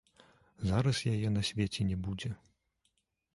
Зараз яе на свеце не будзе.